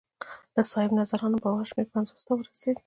د صاحب نظرانو باور شمېر پنځو سوو ته رسېده